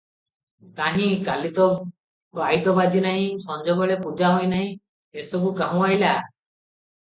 କାହିଁ, କାଲି ତ ବାଇଦ ବାଜି ନାହିଁ, ସଞ୍ଜବେଳେ ପୂଜା ହୋଇନାହିଁ, ଏସବୁ କାହୁଁ ଅଇଲା?